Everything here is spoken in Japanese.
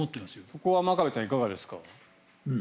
ここは真壁さんいかがですか。